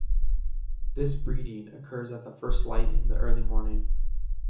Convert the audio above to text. This breeding occurs at the first light in the early morning.